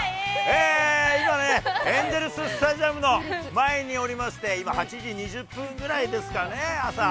今ね、エンゼル・スタジアムの前におりまして、今、８時２０分ぐらいですかね、朝。